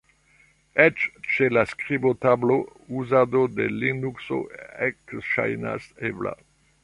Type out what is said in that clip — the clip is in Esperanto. Eĉ ĉe la skribotablo, uzado de Linukso ekŝajnas ebla.